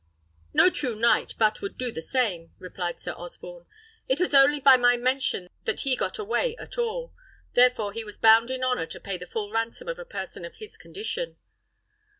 " "No true knight but would do the same," replied Sir Osborne. "It was only by my permission that he got away at all: therefore he was bound in honour to pay the full ransom of a person of his condition."